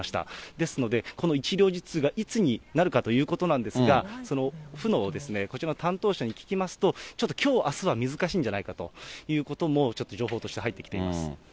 ですので、この一両日がいつになるかということなんですが、その府のこちらの担当者に聞きますと、ちょっときょう、あすは難しいんじゃないかということもちょっと情報として入ってきてます。